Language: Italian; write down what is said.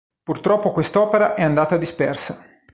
Purtroppo, quest'opera è andata dispersa.